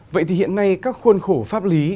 vậy thì hiện nay các khuôn khổ pháp lý